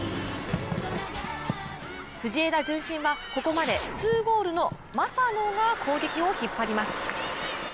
藤枝順心は、ここまで２ゴールの正野が攻撃を引っ張ります。